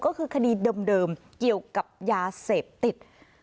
ก็คือคดีเดิมเกี่ยวกับยาเสพติด